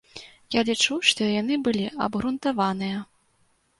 Я лічу, што яны былі абгрунтаваныя.